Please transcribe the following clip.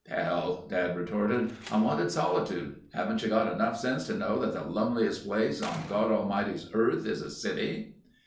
"Hell—" Dad retorted, "I wanted solitude. Haven't you got enough sense to know that the lonesomest place on Godamighty's earth is a city?"